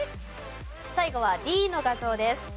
最後はＤの画像です。